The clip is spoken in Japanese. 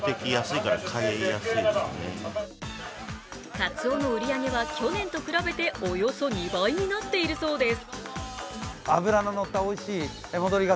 かつおの売り上げは去年と比べておよそ２倍になっているそうです。